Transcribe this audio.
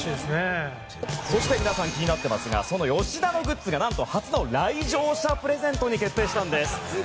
そして皆さん気になっていますがその吉田のグッズが初の来場者プレゼントに決定したんです。